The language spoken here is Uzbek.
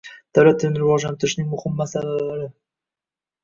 Davlat tilini rivojlantirishning muhim masalalari